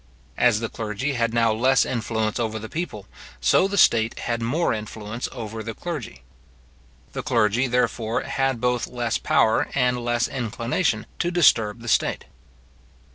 As the clergy had now less influence over the people, so the state had more influence over the clergy. The clergy, therefore, had both less power, and less inclination, to disturb the state.